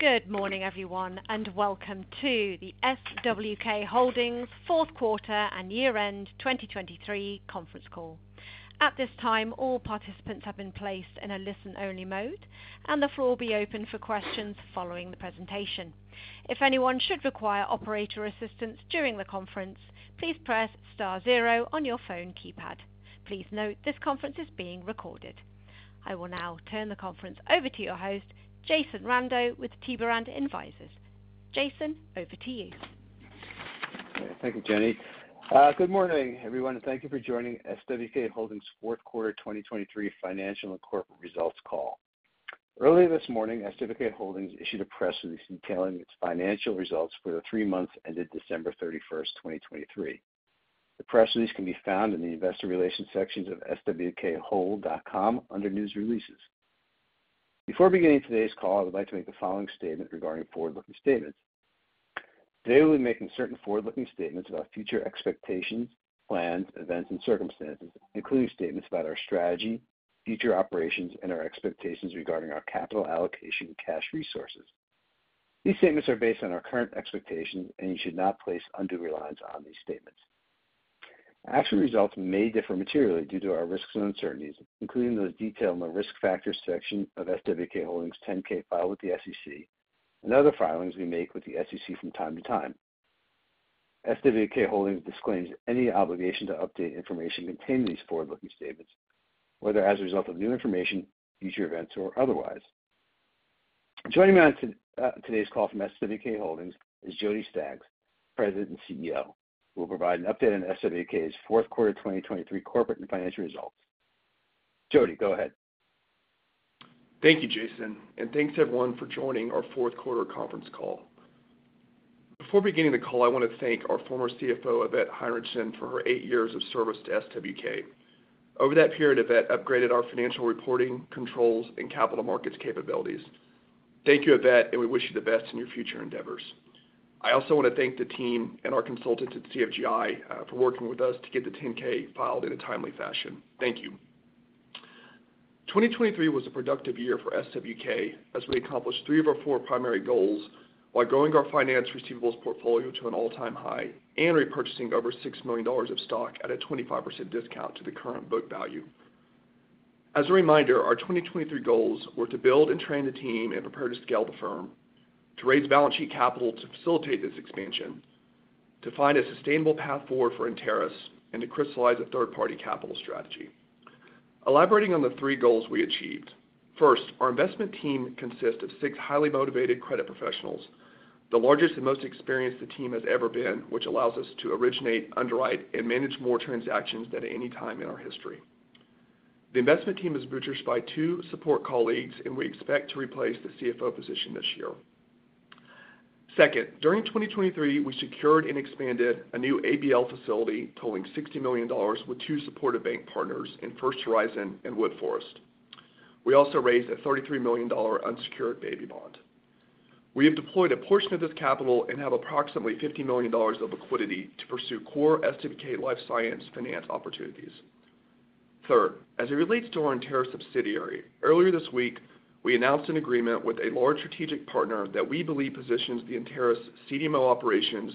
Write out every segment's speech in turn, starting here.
Good morning, everyone, and welcome to the SWK Holdings Fourth Quarter and Year-end 2023 Conference Call. At this time, all participants have been placed in a listen-only mode, and the floor will be open for questions following the presentation. If anyone should require operator assistance during the conference, please press star zero on your phone keypad. Please note, this conference is being recorded. I will now turn the conference over to your host, Jason Rando, with Tiberend Advisors. Jason, over to you. Thank you, Jenny. Good morning, everyone, and thank you for joining SWK Holdings' fourth quarter 2023 financial and corporate results call. Earlier this morning, SWK Holdings issued a press release detailing its financial results for the three months ended December 31st, 2023. The press release can be found in the Investor Relations sections of swkhold.com under News Releases. Before beginning today's call, I would like to make the following statement regarding forward-looking statements. Today, we'll be making certain forward-looking statements about future expectations, plans, events, and circumstances, including statements about our strategy, future operations, and our expectations regarding our capital allocation and cash resources. These statements are based on our current expectations, and you should not place undue reliance on these statements. Actual results may differ materially due to our risks and uncertainties, including those detailed in the Risk Factors section of SWK Holdings' 10-K filing with the SEC and other filings we make with the SEC from time to time. SWK Holdings disclaims any obligation to update information contained in these forward-looking statements, whether as a result of new information, future events, or otherwise. Joining me on today's call from SWK Holdings is Jody Staggs, President and CEO, who will provide an update on SWK's fourth quarter 2023 corporate and financial results. Jody, go ahead. Thank you, Jason, and thanks, everyone, for joining our fourth quarter conference call. Before beginning the call, I want to thank our former CFO, Yvette Heinrichson, for her eight years of service to SWK. Over that period, Yvette upgraded our financial reporting controls and capital markets capabilities. Thank you, Yvette, and we wish you the best in your future endeavors. I also want to thank the team and our consultants at CFGI for working with us to get the 10-K filed in a timely fashion. Thank you. 2023 was a productive year for SWK as we accomplished three of our four primary goals while growing our finance receivables portfolio to an all-time high and repurchasing over $6 million of stock at a 25% discount to the current book value. As a reminder, our 2023 goals were to build and train the team and prepare to scale the firm, to raise balance sheet capital to facilitate this expansion, to find a sustainable path forward for Enteris, and to crystallize a third-party capital strategy. Elaborating on the three goals we achieved. First, our investment team consists of six highly motivated credit professionals, the largest and most experienced the team has ever been, which allows us to originate, underwrite, and manage more transactions than at any time in our history. The investment team is bolstered by two support colleagues, and we expect to replace the CFO position this year. Second, during 2023, we secured and expanded a new ABL facility totaling $60 million with two supportive bank partners in First Horizon and Woodforest. We also raised a $33 million unsecured baby bond. We have deployed a portion of this capital and have approximately $50 million of liquidity to pursue core SWK life science finance opportunities. Third, as it relates to our Enteris subsidiary, earlier this week, we announced an agreement with a large strategic partner that we believe positions the Enteris CDMO operations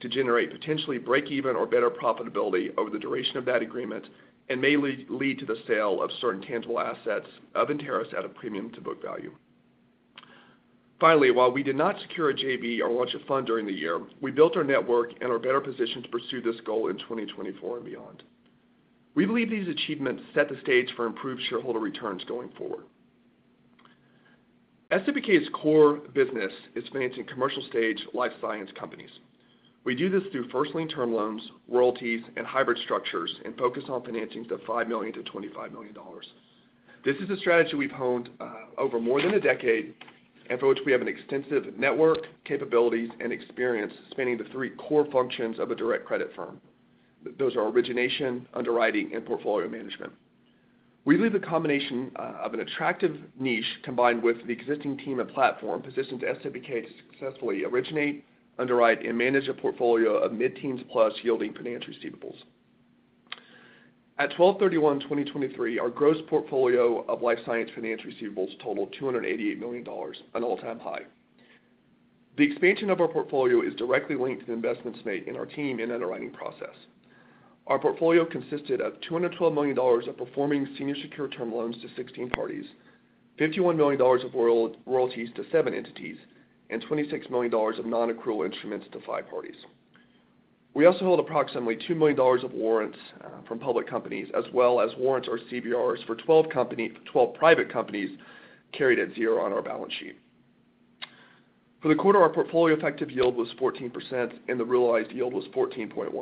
to generate potentially break even or better profitability over the duration of that agreement and may lead to the sale of certain tangible assets of Enteris at a premium to book value. Finally, while we did not secure a JV or launch a fund during the year, we built our network and are better positioned to pursue this goal in 2024 and beyond. We believe these achievements set the stage for improved shareholder returns going forward. SWK's core business is financing commercial-stage life science companies. We do this through first lien term loans, royalties, and hybrid structures, and focus on financings of $5 million-$25 million. This is a strategy we've honed over more than a decade and for which we have an extensive network, capabilities, and experience spanning the three core functions of a direct credit firm. Those are origination, underwriting, and portfolio management. We believe a combination of an attractive niche combined with the existing team and platform positioned SWK to successfully originate, underwrite, and manage a portfolio of mid-teens plus yielding financial receivables. At 12/31/2023, our gross portfolio of life science finance receivables totaled $288 million, an all-time high. The expansion of our portfolio is directly linked to the investments made in our team and underwriting process. Our portfolio consisted of $212 million of performing senior secured term loans to 16 parties, $51 million of royalties to 7 entities, and $26 million of non-accrual instruments to 5 parties. We also hold approximately $2 million of warrants from public companies, as well as warrants or CVRs for 12 private companies, carried at zero on our balance sheet. For the quarter, our portfolio effective yield was 14%, and the realized yield was 14.1%.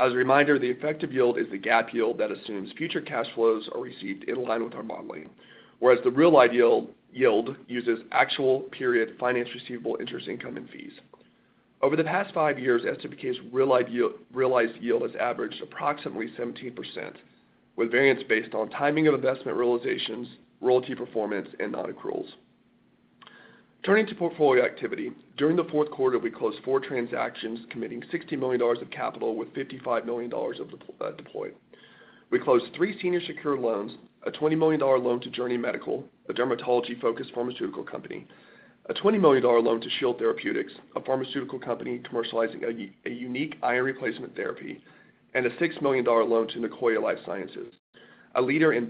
As a reminder, the effective yield is the GAAP yield that assumes future cash flows are received in line with our modeling, whereas the realized yield uses actual period finance receivable, interest, income, and fees. Over the past 5 years, SWK's realized yield has averaged approximately 17%, with variance based on timing of investment realizations, royalty performance, and non-accruals. Turning to portfolio activity. During the fourth quarter, we closed four transactions, committing $60 million of capital with $55 million deployed. We closed three senior secured loans, a $20 million loan to Journey Medical, a dermatology-focused pharmaceutical company, a $20 million loan to Shield Therapeutics, a pharmaceutical company commercializing a unique iron replacement therapy, and a $6 million loan to Nicoya Lifesciences, a leader in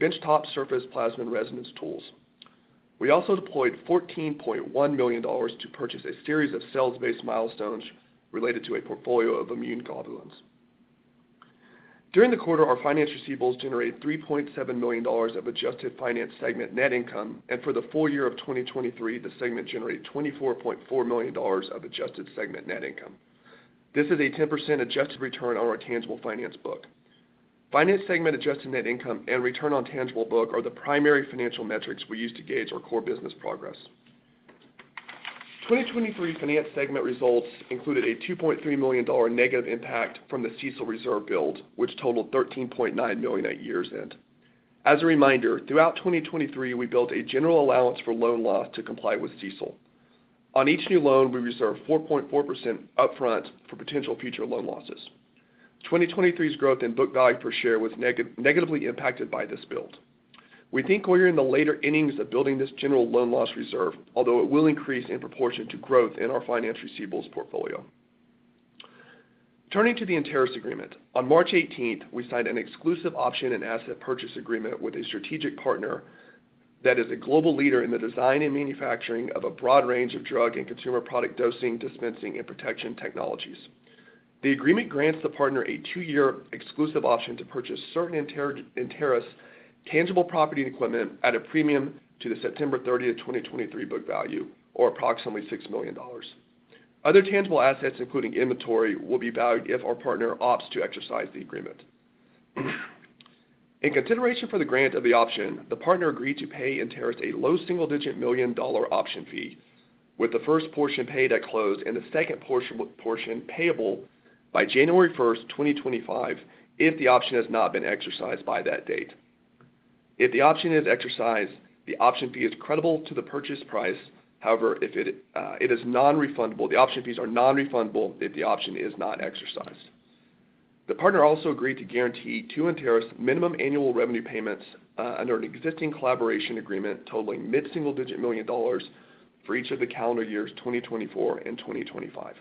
benchtop surface plasmon resonance tools. We also deployed $14.1 million to purchase a series of sales-based milestones related to a portfolio of immune globulins. During the quarter, our finance receivables generated $3.7 million of adjusted finance segment net income, and for the full year of 2023, the segment generated $24.4 million of adjusted segment net income. This is a 10% adjusted return on our tangible finance book. Finance segment adjusted net income and return on tangible book are the primary financial metrics we use to gauge our core business progress. 2023 finance segment results included a $2.3 million negative impact from the CECL reserve build, which totaled $13.9 million at year's end. As a reminder, throughout 2023, we built a general allowance for loan loss to comply with CECL. On each new loan, we reserved 4.4% upfront for potential future loan losses. 2023's growth in book value per share was negatively impacted by this build. We think we're in the later innings of building this general loan loss reserve, although it will increase in proportion to growth in our finance receivables portfolio. Turning to the Enteris agreement. On March 18th, we signed an exclusive option and asset purchase agreement with a strategic partner that is a global leader in the design and manufacturing of a broad range of drug and consumer product dosing, dispensing, and protection technologies. The agreement grants the partner a 2-year exclusive option to purchase certain Enteris tangible property and equipment at a premium to the September 30, 2023, book value, or approximately $6 million. Other tangible assets, including inventory, will be valued if our partner opts to exercise the agreement. In consideration for the grant of the option, the partner agreed to pay Enteris a low single-digit million dollar option fee, with the first portion paid at close and the second portion payable by January 1st, 2025, if the option has not been exercised by that date. If the option is exercised, the option fee is creditable to the purchase price. However, the option fees are non-refundable if the option is not exercised. The partner also agreed to guarantee to Enteris minimum annual revenue payments under an existing collaboration agreement totaling mid-single-digit million dollars for each of the calendar years, 2024 and 2025.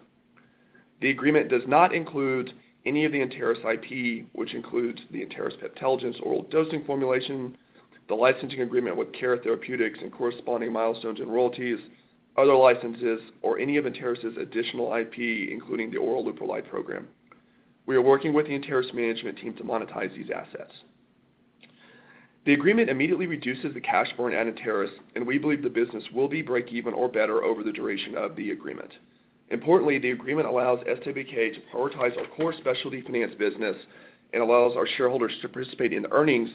The agreement does not include any of the Enteris IP, which includes the Enteris Peptelligence oral dosing formulation, the licensing agreement with Cara Therapeutics, and corresponding milestones and royalties, other licenses, or any of Enteris' additional IP, including the oral leuprolide program. We are working with the Enteris management team to monetize these assets. The agreement immediately reduces the cash burn at Enteris, and we believe the business will be break even or better over the duration of the agreement. Importantly, the agreement allows SWK to prioritize our core specialty finance business and allows our shareholders to participate in earnings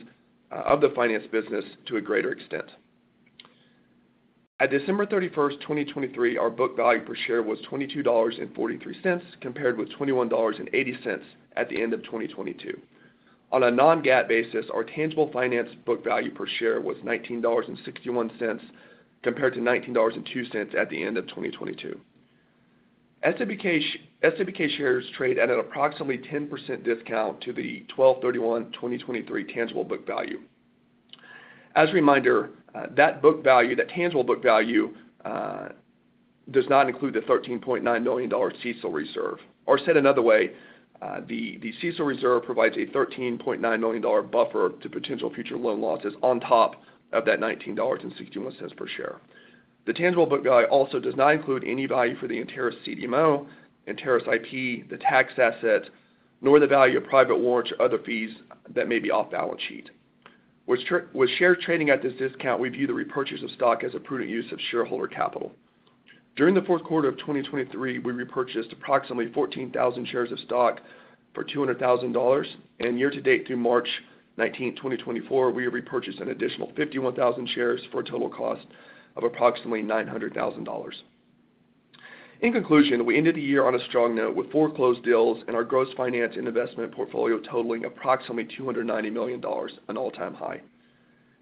of the finance business to a greater extent. At December 31st, 2023, our book value per share was $22.43, compared with $21.80 at the end of 2022. On a non-GAAP basis, our tangible finance book value per share was $19.61, compared to $19.02 at the end of 2022. SWK shares trade at an approximately 10% discount to the 12/31/2023 tangible book value. As a reminder, that book value, that tangible book value, does not include the $13.9 million CECL reserve. Or said another way, the CECL reserve provides a $13.9 million buffer to potential future loan losses on top of that $19.61 per share. The tangible book value also does not include any value for the Enteris CDMO, Enteris IP, the tax assets, nor the value of private warrants or other fees that may be off balance sheet. With with share trading at this discount, we view the repurchase of stock as a prudent use of shareholder capital. During the fourth quarter of 2023, we repurchased approximately 14,000 shares of stock for $200,000, and year to date, through March 19th, 2024, we repurchased an additional 51,000 shares for a total cost of approximately $900,000. In conclusion, we ended the year on a strong note with four closed deals and our gross finance and investment portfolio totaling approximately $290 million, an all-time high.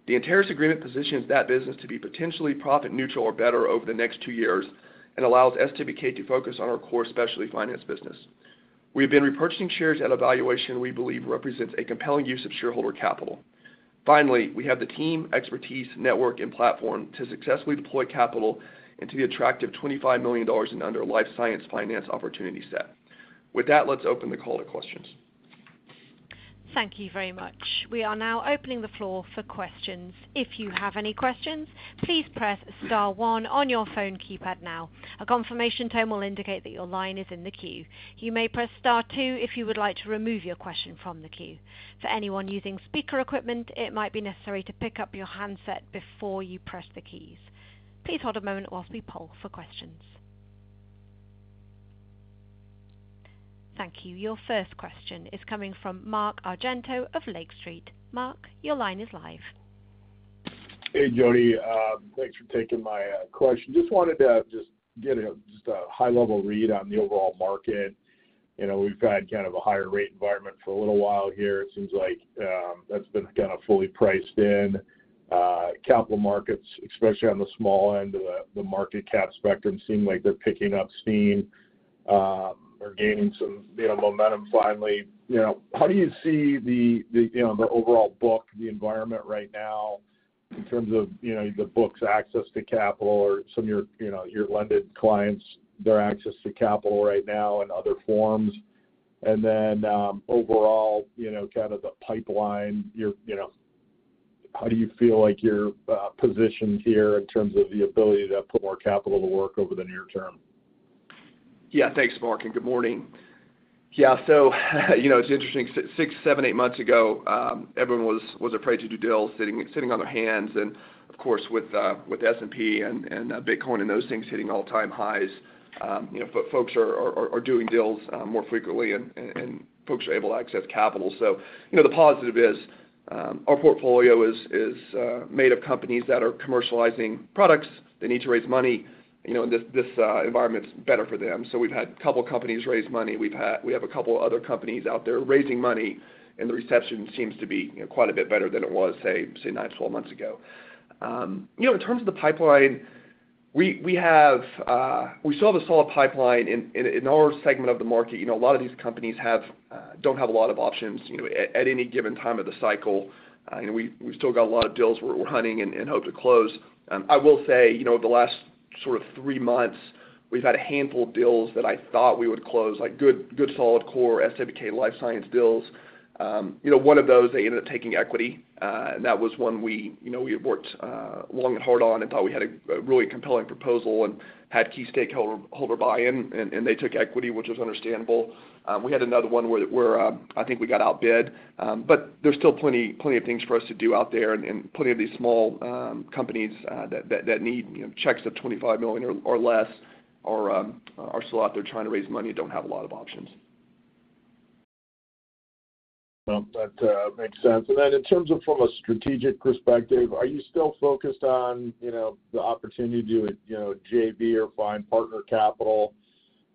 The Enteris agreement positions that business to be potentially profit neutral or better over the next 2 years and allows SWK to focus on our core specialty finance business. We have been repurchasing shares at a valuation we believe represents a compelling use of shareholder capital. Finally, we have the team, expertise, network, and platform to successfully deploy capital into the attractive $25 million in underlying life science finance opportunity set. With that, let's open the call to questions. Thank you very much. We are now opening the floor for questions. If you have any questions, please press star one on your phone keypad now. A confirmation tone will indicate that your line is in the queue. You may press star two if you would like to remove your question from the queue. For anyone using speaker equipment, it might be necessary to pick up your handset before you press the keys. Please hold a moment while we poll for questions. Thank you. Your first question is coming from Mark Argento of Lake Street. Mark, your line is live. Hey, Jody, thanks for taking my question. Just wanted to just get a, just a high-level read on the overall market. You know, we've had kind of a higher rate environment for a little while here. It seems like, that's been kind of fully priced in, capital markets, especially on the small end of the, the market cap spectrum, seem like they're picking up steam, or gaining some, you know, momentum finally. You know, how do you see the, the, you know, the overall book, the environment right now in terms of, you know, the book's access to capital or some of your, you know, your lended clients, their access to capital right now in other forms? Overall, you know, kind of the pipeline, your—you know, how do you feel like you're positioned here in terms of the ability to put more capital to work over the near term? Yeah, thanks, Mark, and good morning. Yeah, so you know, it's interesting, 6, 7, 8 months ago, everyone was afraid to do deals, sitting on their hands. And of course, with S&P and Bitcoin and those things hitting all-time highs, you know, folks are doing deals more frequently and folks are able to access capital. So, you know, the positive is, our portfolio is made of companies that are commercializing products. They need to raise money, you know, and this environment's better for them. So we've had a couple companies raise money. We have a couple other companies out there raising money, and the reception seems to be, you know, quite a bit better than it was, say 9-12 months ago. You know, in terms of the pipeline, we still have a solid pipeline. In our segment of the market, you know, a lot of these companies don't have a lot of options, you know, at any given time of the cycle. You know, we've still got a lot of deals we're hunting and hope to close. I will say, you know, over the last sort of three months, we've had a handful of deals that I thought we would close, like good solid core SWK life science deals. You know, one of those, they ended up taking equity, and that was one we, you know, we had worked long and hard on and thought we had a really compelling proposal and had key stakeholder buy-in, and they took equity, which was understandable. We had another one where I think we got outbid. But there's still plenty of things for us to do out there and plenty of these small companies that need, you know, checks of $25 million or less are still out there trying to raise money and don't have a lot of options. Well, that makes sense. And then in terms of from a strategic perspective, are you still focused on, you know, the opportunity to, you know, JV or find partner capital?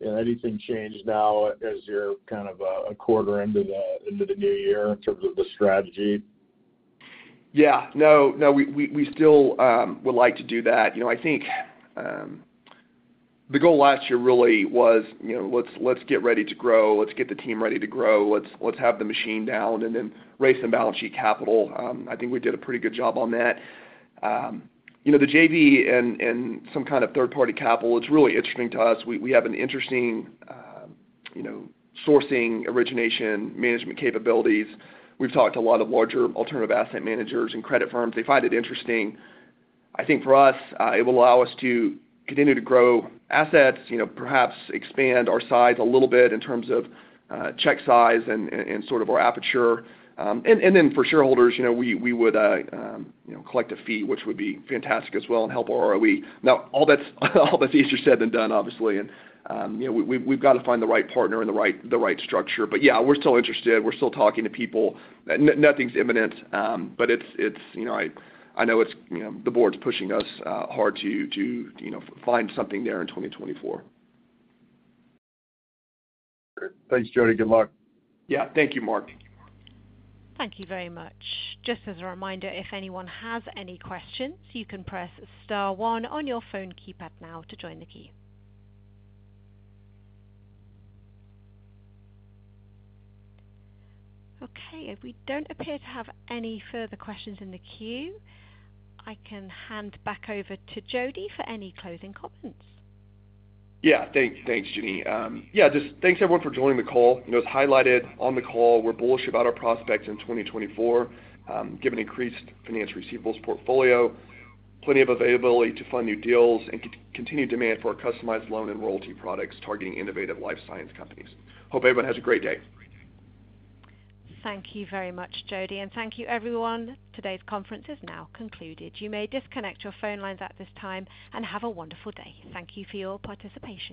You know, anything changed now as you're kind of a quarter into the new year in terms of the strategy? Yeah. No, no, we still would like to do that. You know, I think the goal last year really was, you know, let's get ready to grow. Let's get the team ready to grow. Let's have the machine down and then raise some balance sheet capital. I think we did a pretty good job on that. You know, the JV and some kind of third-party capital, it's really interesting to us. We have an interesting, you know, sourcing, origination, management capabilities. We've talked to a lot of larger alternative asset managers and credit firms. They find it interesting. I think for us, it will allow us to continue to grow assets, you know, perhaps expand our size a little bit in terms of check size and sort of our aperture. And then for shareholders, you know, we would, you know, collect a fee, which would be fantastic as well, and help our ROE. Now, all that's easier said than done, obviously, and you know, we've got to find the right partner and the right structure. But yeah, we're still interested. We're still talking to people. Nothing's imminent, but it's, you know, I know it's, you know, the board's pushing us hard to, you know, find something there in 2024. Thanks, Jody. Good luck. Yeah. Thank you, Mark. Thank you very much. Just as a reminder, if anyone has any questions, you can press star one on your phone keypad now to join the queue. Okay, we don't appear to have any further questions in the queue. I can hand back over to Jody for any closing comments. Yeah, thanks, Jenny. Yeah, just thanks everyone for joining the call. You know, as highlighted on the call, we're bullish about our prospects in 2024, given increased finance receivables portfolio, plenty of availability to fund new deals, and continued demand for our customized loan and royalty products targeting innovative life science companies. Hope everyone has a great day. Thank you very much, Jody, and thank you everyone. Today's conference is now concluded. You may disconnect your phone lines at this time and have a wonderful day. Thank you for your participation.